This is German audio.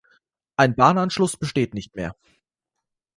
Ein Bahnanschluss besteht nicht mehr.